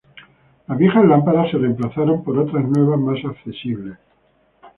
Las viejas lámparas se remplazaron por otras nuevas, más accesibles.